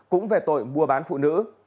cũng về tội mua bán phụ nữ